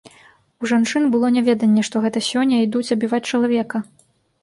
У жанчын было няведанне, што гэта сёння ідуць забіваць чалавека.